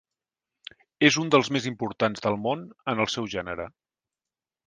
És un dels més importants del món en el seu gènere.